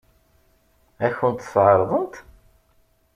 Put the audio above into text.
Ad kent-t-ɛeṛḍent?